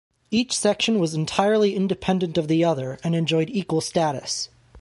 Each section was entirely independent of the other, and enjoyed equal status.